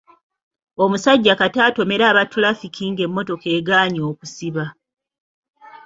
Omusajja kata atomere aba ttulafiki ng'emmotoka egaanyi okusiba.